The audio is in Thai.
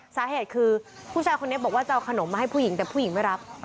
สาเหตุคือผู้ชายคนนี้บอกว่าจะเอาขนมมาให้ผู้หญิงแต่ผู้หญิงไม่รับ